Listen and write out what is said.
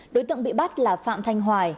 đối tượng bị bắt là phạm thanh hoài